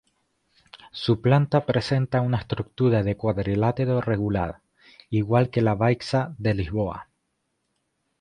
Su planta presenta una estructura de cuadrilátero regular, igual que la Baixa de Lisboa.